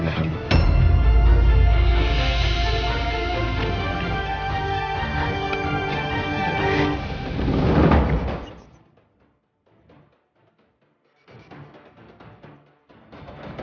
apa ada yang mau duduk